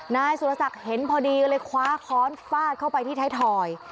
นายสุรศักดิ์เห็นพอดีก็เลยคว้าค้อนฟาดเข้าไปที่ไทยทอย